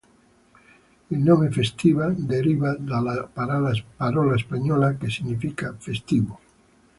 Il nome "Festiva" deriva dalla parola spagnola che significa "festivo".